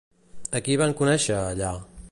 A qui van conèixer, allà?